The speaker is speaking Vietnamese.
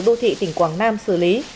đô thị tỉnh quảng nam xử lý